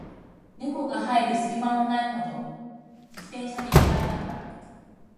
猫が入る込む隙間もないほど、自転車で一杯だった